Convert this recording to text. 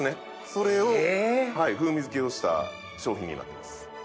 それを風味づけした商品になってます。